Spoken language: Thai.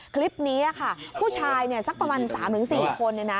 คลิปนี้ค่ะผู้ชายเนี่ยสักประมาณ๓๔คนเนี่ยนะ